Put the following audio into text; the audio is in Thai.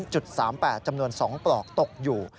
จุด๓๘จำนวน๒ปลอกตกอยู่